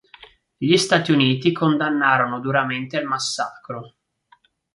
Gli Stati Uniti condannarono duramente il massacro.